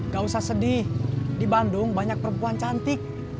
gak usah sedih di bandung banyak perempuan cantik